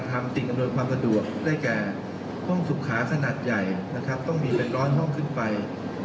ต้องสุขค้าสนัดใหญ่ต้องมีเป็นร้อนห้องขึ้นไป